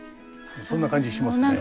そんな感じしますね。